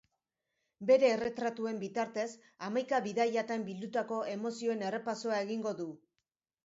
Bere erretratuen bitartez, hamaika bidaiatan bildutako emozioen errepasoa egingo du.